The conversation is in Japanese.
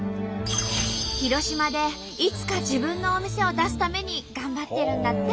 広島でいつか自分のお店を出すために頑張ってるんだって。